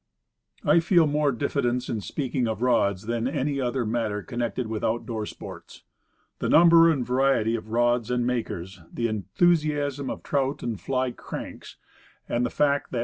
I feel more diffidence in speaking of rods than of any other matter connected with out door sports. The number and variety of rods and makers; the enthusiasm of trout and fly "cranks;" the fact that Rods.